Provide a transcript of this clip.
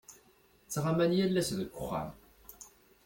Ttɣaman yal ass deg uxxam.